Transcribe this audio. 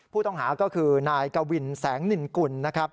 ผู้ต้องหาก็คือนายกวิ่นแสงนิ่นกุล